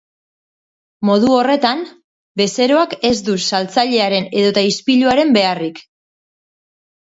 Modu horretan, bezeroak ez du saltzailearen edota ispiluaren beharrik.